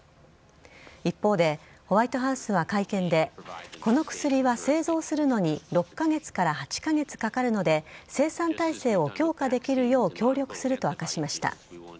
一方で、ホワイトハウスは会見でこの薬は製造するのに６カ月から８カ月かかるので生産体制を強化できるよう協力すると明かしました。